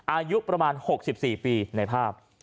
อายุประมาณ๖๔ปีในภาพ